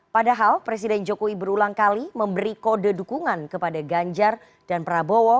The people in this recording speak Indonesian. padahal presiden jokowi berulang kali memberi kode dukungan kepada ganjar dan prabowo